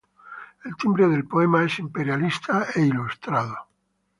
El timbre del poema es imperialista e ilustrado.